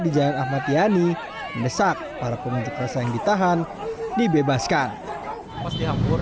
di jalan ahmad yani mendesak para pengunjuk rasa yang ditahan dibebaskan masih hambur